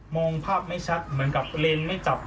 มองภาพไม่ชัดเหมือนกับเลนไม่จับ